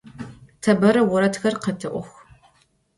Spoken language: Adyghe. Te bere voredxer khete'ox.